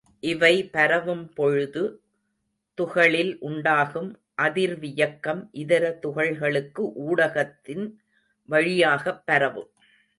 இவை பரவும் பொழுது துகளில் உண்டாகும் அதிர்வியக்கம் இதர துகள்களுக்கு ஊடகத்தின் வழியாகப் பரவும்.